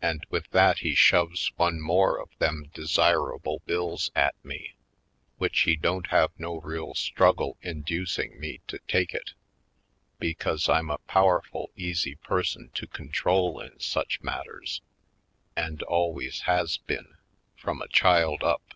And with that he shoves one more of them desirable bills at me; v/hich he don't have no real struggle inducing me to take Movie 'Land 139 it. Because I'm a powerful easy person to control in such matters. And always has been, from a child up.